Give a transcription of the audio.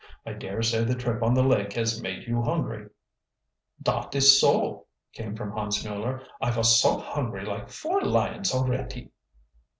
I dare say the trip on the lake has made you hungry." "Dot is so," came from Hans Mueller. "I vos so hungry like four lions alretty."